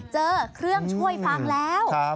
เจอเครื่องช่วยฟังแล้ว